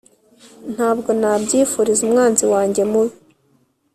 Ntabwo nabyifuriza umwanzi wanjye mubi